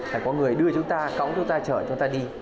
phải có người đưa chúng ta cóng chúng ta chở chúng ta đi